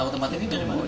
tempat ini dari mana